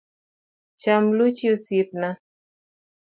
Cham luchi osiepna.